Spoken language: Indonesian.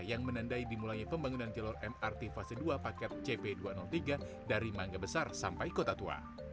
yang menandai dimulainya pembangunan jalur mrt fase dua paket cp dua ratus tiga dari mangga besar sampai kota tua